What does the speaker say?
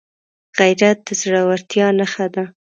غیرت د زړورتیا نښه ده